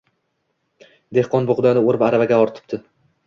Dehqon bug’doyni o’rib, aravaga ortibdi